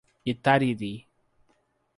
Itariri